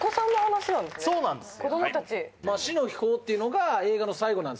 そうなんですよ